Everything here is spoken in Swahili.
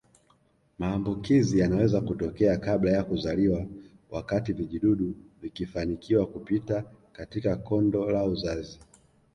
Maambukizi yanaweza kutokea kabla ya kuzaliwa wakati vijidudu vikifanikiwa kupita katika kondo la uzazi